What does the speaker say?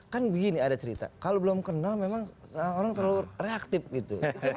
kan begini ada cerita kalau belum kenal memang orang terlalu reaktif gitu